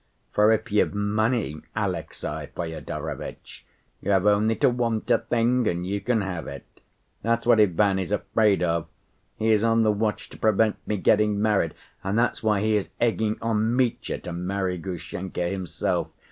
For if you've money, Alexey Fyodorovitch, you have only to want a thing and you can have it. That's what Ivan is afraid of, he is on the watch to prevent me getting married and that's why he is egging on Mitya to marry Grushenka himself.